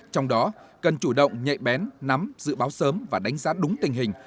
trong đó cần chủ động nhạy bén nắm dự báo sớm và đánh giá đúng tình hình